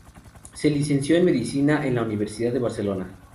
Se licenció en Medicina en la Universidad de Barcelona.